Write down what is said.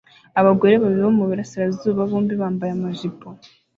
Abagore babiri bo muburasirazuba bombi bambaye amajipo